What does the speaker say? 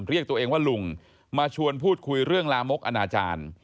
เรียกตัวเองว่าลุงมาชวนพูดคุยเรื่องลามกอนาจารย์